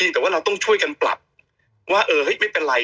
แต่ว่าเราต้องช่วยกันปรับว่าเออเฮ้ยไม่เป็นไร